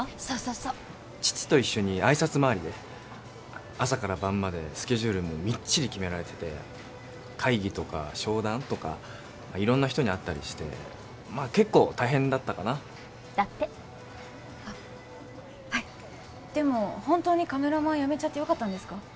そうそうそう父と一緒に挨拶回りで朝から晩までスケジュールもみっちり決められてて会議とか商談とか色んな人に会ったりしてまあ結構大変だったかなだってあっはいでも本当にカメラマン辞めちゃってよかったんですか？